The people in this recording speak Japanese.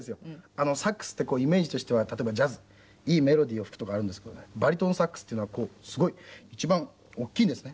サックスってイメージとしては例えばジャズいいメロディーを吹くとかあるんですけどバリトンサックスっていうのはこうすごい一番大きいんですね。